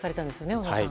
小野さん。